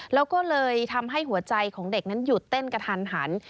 แล้วก็เลยทำให้หัวใจของเด็กนั้นหยุดเต้นกระทันหัน